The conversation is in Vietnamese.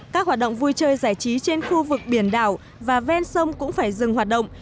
các hoạt động vui chơi giải trí trên khu vực biển đảo và ven sông cũng phải dừng hoạt động